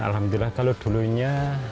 alhamdulillah kalau dulunya